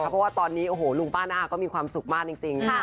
เพราะว่าตอนนี้โอ้โหลุงป้าหน้าก็มีความสุขมากจริง